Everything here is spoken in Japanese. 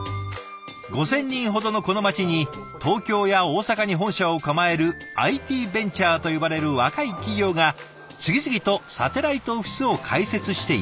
５，０００人ほどのこの町に東京や大阪に本社を構えるＩＴベンチャーと呼ばれる若い企業が次々とサテライトオフィスを開設していました。